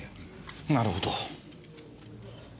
なるほど。